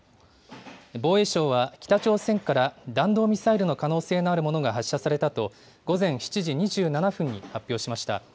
防衛省は北朝鮮から弾道ミサイルの可能性のあるものが発射されたと、午前７時２７分に発表しました。